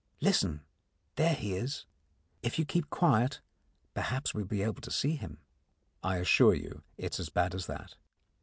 Listen, there he is! If you keep quiet, perhaps we'll be able to see him." I assure you, it is as bad as that.